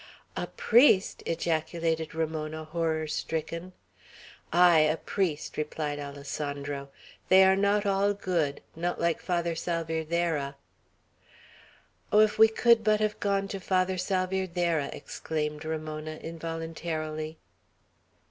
"A priest!" ejaculated Ramona, horror stricken. "Ay! a priest!" replied Alessandro. "They are not all good, not like Father Salvierderra." "Oh, if we could but have gone to Father Salvierderra!" exclaimed Ramona, involuntarily.